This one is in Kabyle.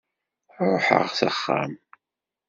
Ruḥeɣ s axxam.